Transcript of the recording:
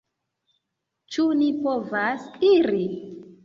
Ĉu ni povas iri?